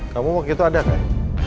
kamu waktu itu ada kali